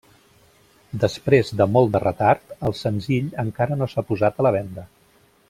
Després de molt de retard, el senzill encara no s'ha posat a la venda.